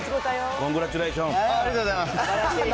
コングラッチュレーション。